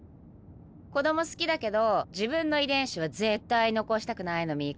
子供好きだけど自分の遺伝子は絶対残したくないのミイコは。